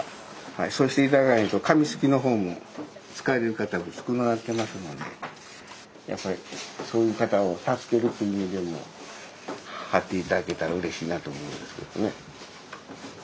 そうして頂かないと紙すきの方もすかれる方も少ななってますのでそういう方を助けるという意味でも貼って頂けたらうれしいなと思うんですけどね。